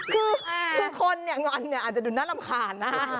คือคนเนี่ยงอนเนี่ยอาจจะดูน่ารำคาญนะฮะ